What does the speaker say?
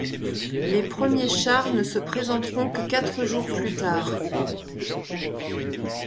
Les premiers chars ne se présenteront que quatre jours plus tard.